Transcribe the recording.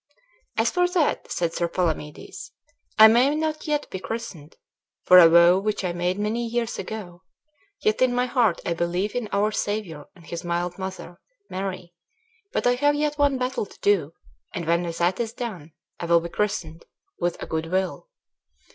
"As for that," said Sir Palamedes, "I may not yet be christened, for a vow which I made many years ago; yet in my heart I believe in our Saviour and his mild mother, Mary; but I have yet one battle to do, and when that is done I will be christened, with a good will."